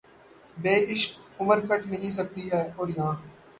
بے عشق عمر کٹ نہیں سکتی ہے‘ اور یاں